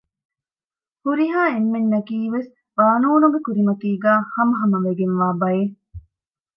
ހުރިހާ އެންމެންނަކީވެސް ޤާނޫނުގެ ކުރިމަތީގައި ހަމަހަމަވެގެންވާ ބައެއް